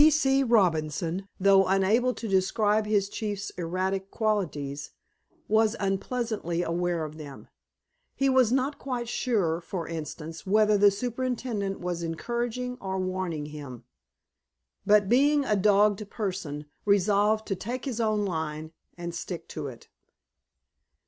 P. C. Robinson, though unable to describe his chief's erratic qualities, was unpleasantly aware of them. He was not quite sure, for instance, whether the superintendent was encouraging or warning him, but, being a dogged person, resolved to "take his own line," and stick to it.